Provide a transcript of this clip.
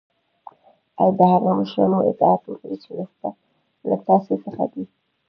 او د هغه مشرانو اطاعت وکړی چی له تاسی څخه دی .